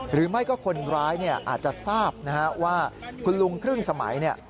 หรือไม่ก็คนร้ายอาจจะทราบว่าคุณลุงครึ่งสมัย